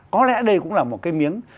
có lẽ đây cũng là một cái miếng